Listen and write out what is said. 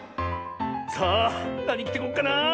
さあなにきてこっかなあ。